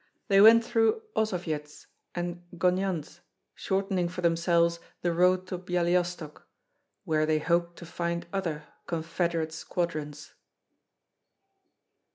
They went through Osovyets and Gonyandz, shortening for themselves the road to Byalystok, where they hoped to find other confederate squadrons.